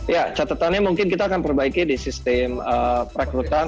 ya catatannya mungkin kita akan perbaiki di sistem perekrutan